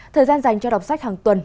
thời gian dành cho đọc sách hàng tuần